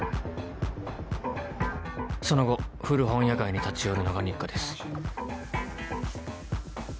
その後古本屋街に立ち寄るのが日課です。